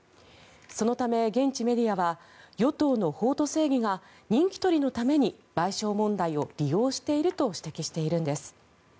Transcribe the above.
そのため、現地メディアは与党の法と正義が人気取りのために賠償問題を利用していると指摘しているんです。